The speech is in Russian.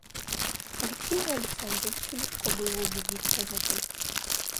Алексею Александровичу легко было убедиться в этом.